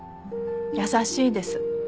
優しいです。